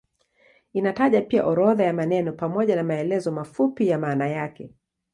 Inataja pia orodha ya maneno pamoja na maelezo mafupi ya maana yake.